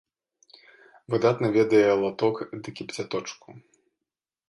Выдатна ведае латок ды кіпцяточку.